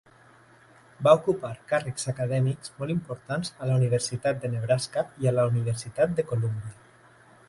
Va ocupar càrrecs acadèmics molt importants a la Universitat de Nebraska i a la Universitat de Columbia.